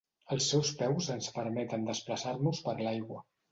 Els seus peus ens permeten desplaçar-nos per l'aigua.